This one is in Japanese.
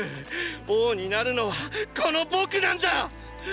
王になるのはこの僕なんだァ！